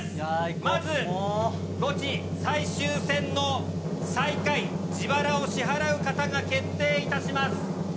まず、ゴチ最終戦の最下位、自腹を支払う方が決定いたします。